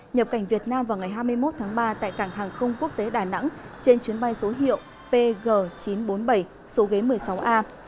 nhập cảnh việt nam vào ngày hai mươi một tháng ba tại cảng hàng không quốc tế đà nẵng trên chuyến bay số hiệu pg chín trăm bốn mươi bảy số ghế một mươi sáu a